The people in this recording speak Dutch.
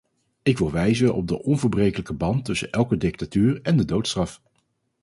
Ik wil wijzen op de onverbrekelijke band tussen elke dictatuur en de doodstraf.